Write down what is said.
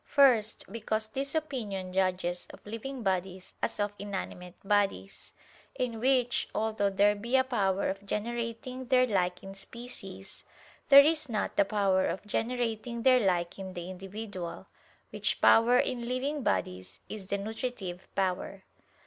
First, because this opinion judges of living bodies as of inanimate bodies; in which, although there be a power of generating their like in species, there is not the power of generating their like in the individual; which power in living bodies is the nutritive power.